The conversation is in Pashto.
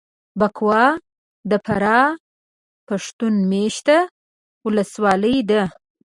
بکوا دفراه پښتون مېشته ولسوالي ده